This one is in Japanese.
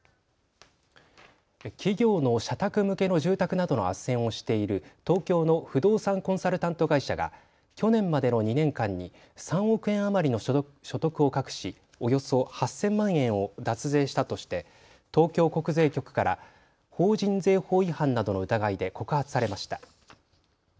企業の社宅向けの住宅などのあっせんをしている東京の不動産コンサルタント会社が去年までの２年間に３億円余りの所得を隠しおよそ８０００万円を脱税したとして東京国税局から法人税法違反などの疑いで告発されました。